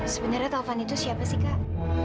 sebenarnya taufan itu siapa sih kak